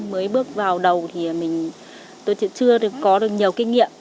mới bước vào đầu thì tôi chưa có được nhiều kinh nghiệm